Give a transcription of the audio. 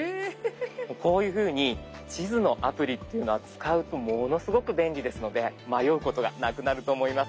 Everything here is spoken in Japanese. こういうふうに地図のアプリっていうのは使うとものすごく便利ですので迷うことがなくなると思います。